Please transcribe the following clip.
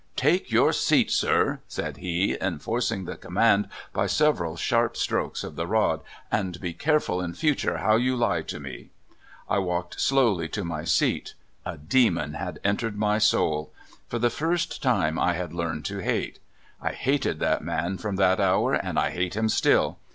"' Take your seat, sir !' said he — enforcing the command by several sharp strokes of the rod —' and be careful in future how you lie to me !' "I walked slowly to my seat. A demon Lad eutered my souL For the first time I had learned to hate. I hated that man from that hour, and 1 hate him still